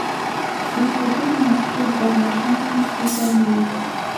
Il se tourne ensuite vers la chanson, plus sérieuse.